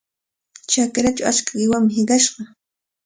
Chakrachaw achka qiwami hiqashqa.